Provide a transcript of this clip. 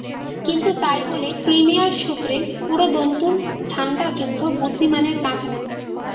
কিন্তু তাই বলে ক্রিমিয়ার সূত্রে পুরোদস্তুর ঠান্ডা যুদ্ধ বুদ্ধিমানের কাজ নয়।